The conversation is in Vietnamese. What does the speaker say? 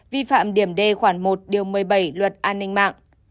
vi phạm điểm d khoản một điều một mươi bảy luật an ninh mạng